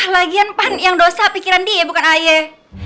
lagian pan yang dosa pikiran dia bukan ayah